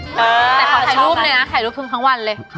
แต่ขอถ่ายรูปเลยนะถ่ายรูปทึมทั้งวันเลย